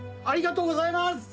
ありがとうございます！